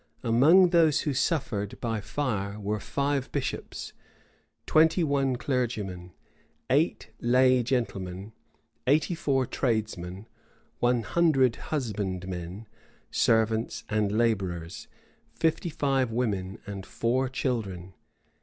Among those who suffered by fire were five bishops, twenty one clergymen, eight lay gentlemen, eighty four tradesmen, one hundred husbandmen, servants, and laborers, fifty five women, and four children.